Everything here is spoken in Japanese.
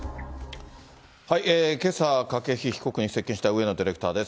けさ、筧被告に接見した上野ディレクターです。